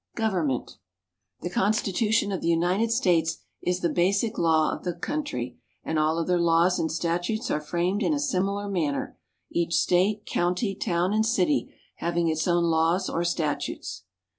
Government The Constitution of the United Stales is the basic law of the country, and all other laws and statutes are framed in a similar manner, each State, county, town, and city having its own laws or statutes.